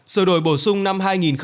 sửa đổi bổ sung năm hai nghìn một mươi bảy